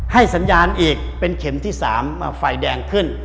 สัญญาณอีกเป็นเข็มที่๓ไฟแดงขึ้น